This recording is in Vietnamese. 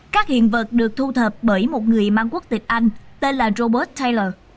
các hiện vật được thu thập bởi một người mang quốc tịch anh tên là robert taylor